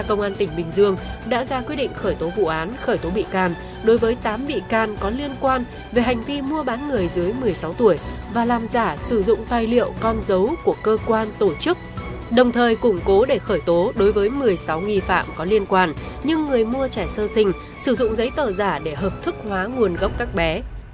tổng an tỉnh bình dương đã ra quyết định khởi tố vụ án khởi tố bị can đối với tám bị can có liên quan về hành vi mua bán người dưới một mươi sáu tuổi và làm giả sử dụng tài liệu con dấu của cơ quan tổ chức đồng thời củng cố để khởi tố đối với một mươi sáu nghi phạm có liên quan nhưng người mua trẻ sơ sinh sử dụng giấy tờ giả để hợp thức hóa nguồn gốc các bé